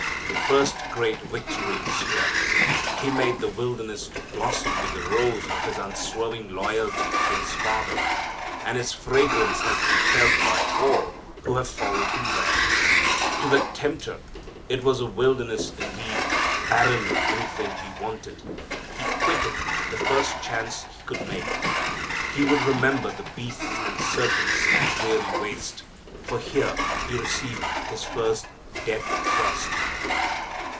The first great victory was here. He made the wilderness to blossom with the rose of His unswerving loyalty to His Father. And its fragrance has been felt by all who have followed Him there. To the tempter it was a wilderness indeed, barren of anything he wanted. He quit it the first chance he could make. He would remember the beasts and serpents and dreary waste. For here he received his first death thrust.